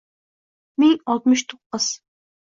Ming oltmish to’qqiz